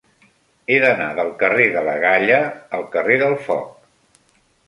He d'anar del carrer de la Galla al carrer del Foc.